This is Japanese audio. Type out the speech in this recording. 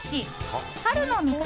春の味覚